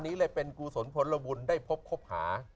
นี้เลยเป็นกุศลพลบุญได้พบคบหา